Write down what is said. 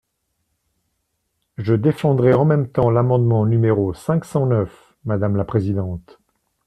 Je défendrai en même temps l’amendement numéro cinq cent neuf, madame la présidente.